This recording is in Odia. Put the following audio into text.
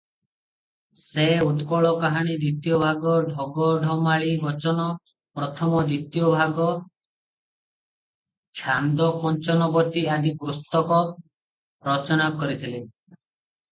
"ସେ "ଉତ୍କଳ କାହାଣୀ ଦ୍ୱିତୀୟ ଭାଗ", "ଢଗ ଢମାଳୀ ବଚନ" ପ୍ରଥମ ଓ ଦ୍ୱିତୀୟ ଭାଗ, "ଛାନ୍ଦ କଞ୍ଚନବତୀ" ଆଦି ପୁସ୍ତକ ରଚନା କରିଥିଲେ ।"